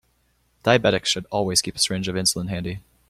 Diabetics should always keep a syringe of insulin handy.